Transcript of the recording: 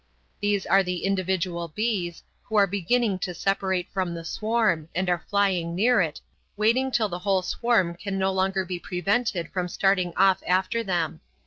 These are the individual bees, who are beginning to separate from the swarm, and are flying near it, waiting till the whole swarm can no longer be prevented from starting off after them.